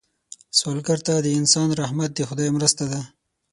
سوالګر ته د انسان رحمت د خدای مرسته ده